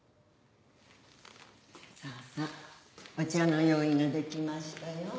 さぁさお茶の用意ができましたよ。